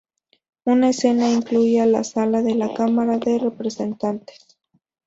Una escena incluía la Sala de la Cámara de Representantes.